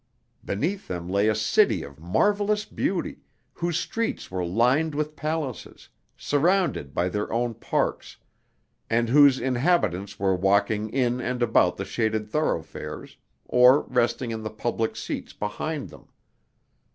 Beneath them lay a city of marvelous beauty, whose streets were lined with palaces, surrounded by their own parks, and whose inhabitants were walking in and about the shaded thoroughfares, or resting in the public seats beside them.